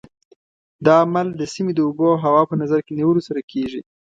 دا عمل د سیمې د اوبو او هوا په نظر کې نیولو سره کېږي.